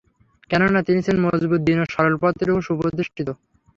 কেননা, তিনি ছিলেন মজবুত দীন ও সরল পথের উপর সু-প্রতিষ্ঠিত।